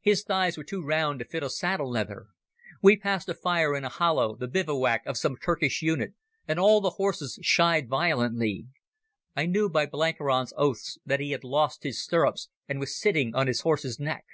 His thighs were too round to fit a saddle leather. We passed a fire in a hollow, the bivouac of some Turkish unit, and all the horses shied violently. I knew by Blenkiron's oaths that he had lost his stirrups and was sitting on his horse's neck.